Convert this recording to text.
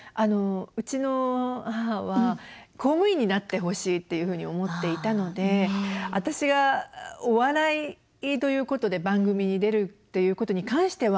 うちの母は公務員になってほしいっていうふうに思っていたので私がお笑いということで番組に出るっていうことに関しては